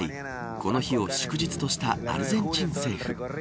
この日を祝日としたアルゼンチン政府。